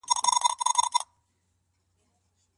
خاوند بايد څنګه خپلي ميرمني راضي وساتي؟